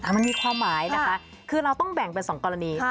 มันมีความหมายนะคะคือเราต้องแบ่งเป็น๒กรณี